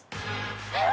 えっ！